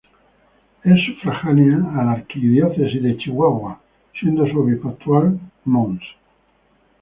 Es sufragánea a la Arquidiócesis de Chihuahua siendo su obispo actual Mons.